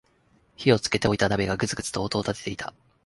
火をつけておいた鍋がグツグツと音を立てていた